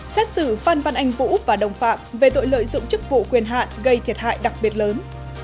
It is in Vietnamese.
xét xử phan văn anh vũ và đồng phạm về tội lợi dụng chức vụ quyền hạn gây thiệt hại đặc biệt lớn